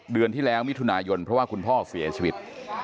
เดือนที่แล้วมิถุนายนเพราะว่าคุณพ่อเสียชีวิต